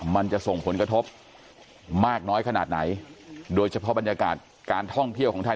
มันจะส่งผลกระทบมากน้อยขนาดไหนโดยเฉพาะบรรยากาศการท่องเที่ยวของไทย